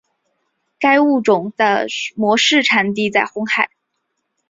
该物种的模式产地在红海。